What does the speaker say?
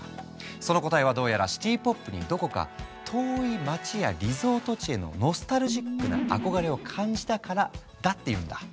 その答えはどうやらシティ・ポップにどこか遠い街やリゾート地へのノスタルジックな憧れを感じたからだっていうんだ。